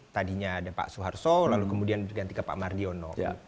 tadinya ada pak soeharto lalu kemudian berganti ke pak mardiono